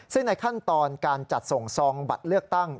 ซึ่งในขั้นตอนการจัดส่งซองบัตรเลือกตั้ง